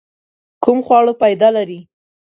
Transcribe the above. کوم خواړه فائده لري؟